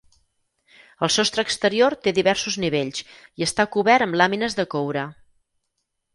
El sostre exterior té diversos nivells i està cobert amb làmines de coure.